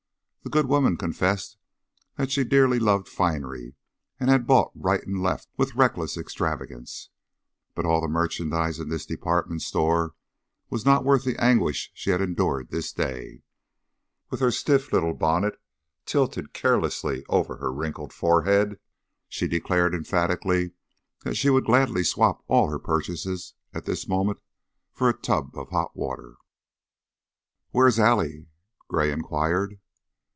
The good woman confessed that she dearly loved finery and had bought right and left with reckless extravagance, but all the merchandise in this department store was not worth the anguish she had endured this day. With her stiff little bonnet tilted carelessly over her wrinkled forehead, she declared emphatically that she would gladly swap all her purchases at this moment for a tub of hot water. "Where is Allie?" Gray inquired.